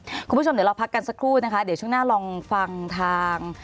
คุณผู้ชมเดี๋ยวเราพักกันสักครู่นะคะเดี๋ยวช่วงหน้าลองฟังทาง